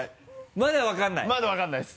まだ分からないです。